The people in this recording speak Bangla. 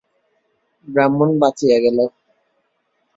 ব্রাহ্মণ বাঁচিয়া গেল।